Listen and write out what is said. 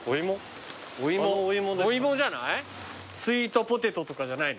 お芋じゃない？